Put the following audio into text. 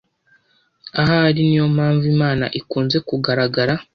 Ahari niyompamvu Imana ikunze kugaragara